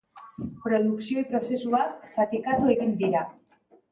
produkzio-prozesuak zatikatu egin dira